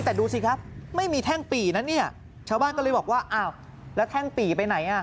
แต่ดูสิครับไม่มีแท่งปี่นะเนี่ยชาวบ้านก็เลยบอกว่าอ้าวแล้วแท่งปี่ไปไหนอ่ะ